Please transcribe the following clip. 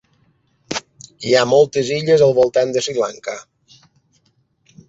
Hi ha moltes illes al voltant de Sri Lanka.